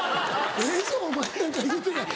「ええぞお前」なんか言うてない。